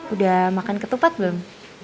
udah makan ketupat belum